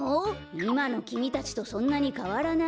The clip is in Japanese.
いまのきみたちとそんなにかわらない。